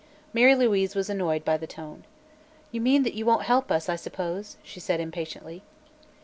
Mary Louise was annoyed by the tone. "You mean that you won't help us, I suppose?" she said impatiently.